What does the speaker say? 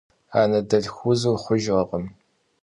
Anedelhxu vuzır xhujjırkhım.